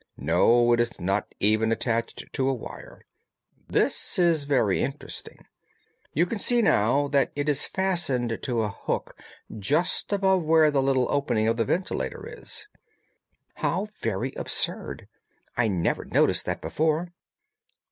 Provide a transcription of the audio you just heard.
"No, it is not even attached to a wire. This is very interesting. You can see now that it is fastened to a hook just above where the little opening for the ventilator is." "How very absurd! I never noticed that before."